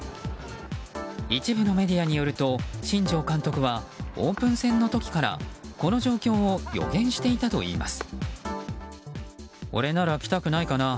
一部のメディアによると新庄監督はオープン戦の時からこの状況を予言していたといいます。